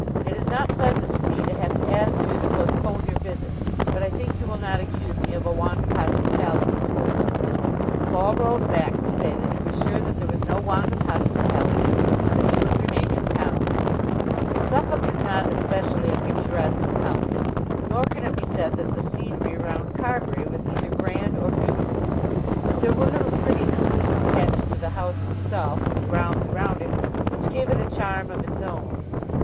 It is not pleasant to me to have to ask you to postpone your visit, but I think you will not accuse me of a want of hospitality towards you." Paul wrote back to say that he was sure that there was no want of hospitality, and that he would remain in town. Suffolk is not especially a picturesque county, nor can it be said that the scenery round Carbury was either grand or beautiful; but there were little prettinesses attached to the house itself and the grounds around it which gave it a charm of its own.